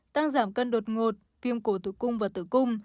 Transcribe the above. tăng giảm cân đột ngột viêm cổ tử cung và tử cung